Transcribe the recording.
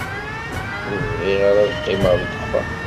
Ur bɣiɣ ara ad qqimeɣ deg uxxam.